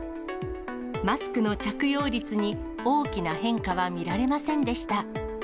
マスクの着用率に大きな変化は見られませんでした。